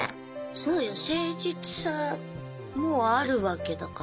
そうよ誠実さもあるわけだから。